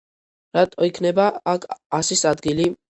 რატო იქნება აქ ასის ადგილი?